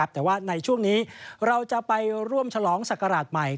แต่ว่าในช่วงนี้เราจะไปร่วมฉลองศักราชใหม่